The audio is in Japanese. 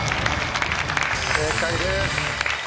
正解です。